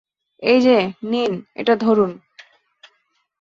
এইযে, নিন, এটা ধরুন।